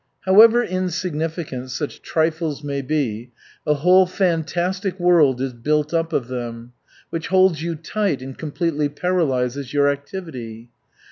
However insignificant such trifles may be, a whole fantastic world is built up of them, which holds you tight and completely paralyzes your activity.